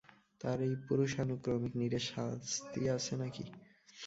তার এই পুরুষানুক্রমিক নীড়ে শাস্তি আছে নাকি?